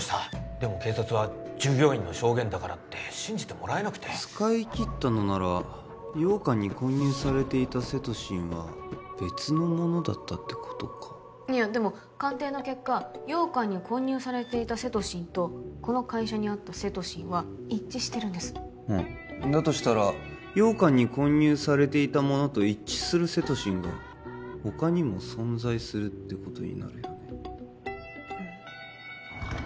でも警察は従業員の証言だからって信じてもらえなくて使い切ったのなら羊羹に混入されていたセトシンは別のものだったってことかいやでも鑑定の結果羊羹に混入されていたセトシンとこの会社にあったセトシンは一致してるんですうんだとしたら羊羹に混入されていたものと一致するセトシンが他にも存在するってことになるよね